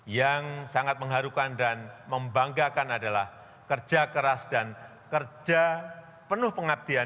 yang sangat mengharukan dan membanggakan adalah kerja keras dan kerja penuh pengabdian